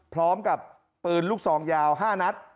พร้อมกับปืนลูกซองยาว๕นัด